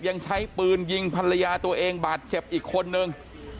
ยังใช้ปืนยิงภรรยาตัวเองบาดเจ็บอีกคนนึง